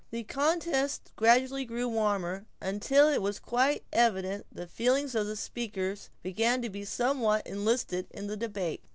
The contest gradually grew warmer, until it was quite evident the feelings of the speakers began to be somewhat enlisted in the debate.